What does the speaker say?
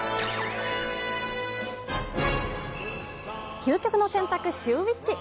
究極の選択シューＷｈｉｃｈ。